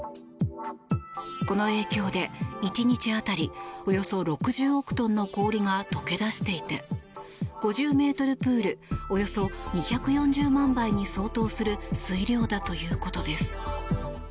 この影響で、１日当たりおよそ６０億トンの氷が溶け出していて５０メートルプールおよそ２４０万倍に相当する水量だということです。